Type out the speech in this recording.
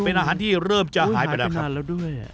เป็นอาหารที่เริ่มจะหายไปแล้วด้วย